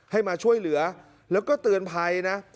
ให้มาช่วยเหลือแล้วก็เตือนภัยนะ